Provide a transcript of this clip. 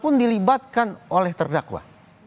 pun dilibatkan oleh terdakwa